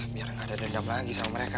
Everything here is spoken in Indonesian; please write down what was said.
biar nggak ada dendam lagi sama mereka